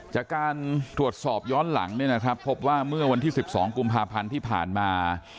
จากการทวดสอบย้อนหลังพบว่าเมื่อวันที่๑๒กุมภาพันธ์ที่ผ่านมา